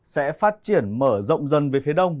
sẽ phát triển mở rộng dần về phía đông